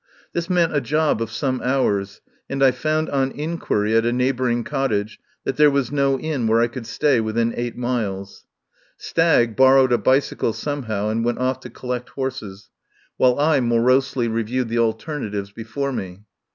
This* meant a job of some hours, and I found on inquiry at a neighbouring cottage that there was no inn where I could stay within eight miles. Stagg borrowed a bicycle somehow and went off to collect horses, while I mo 58 TELLS OF A MIDSUMMER NIGHT rosely reviewed the alternatives before me.